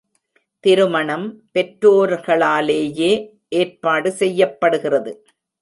திருமணம் பெற்றோர்களாலேயே ஏற்பாடு செய்யப்படுகிறது.